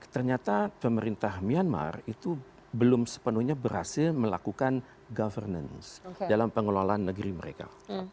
ternyata pemerintah myanmar itu belum sepenuhnya berhasil melakukan governance dalam pengelolaan negeri mereka